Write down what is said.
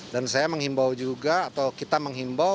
dan saya menghimbau juga atau kita menghimbau